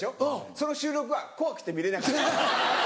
その収録は怖くて見れなかった。